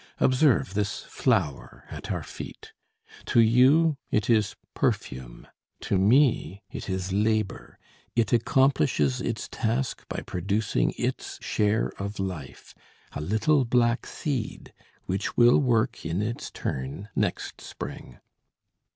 Observe this flower at our feet; to you it is perfume; to me it is labour, it accomplishes its task by producing its share of life, a little black seed which will work in its turn, next spring.